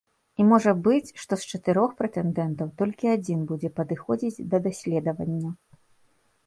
І можа быць, што з чатырох прэтэндэнтаў толькі адзін будзе падыходзіць да даследавання.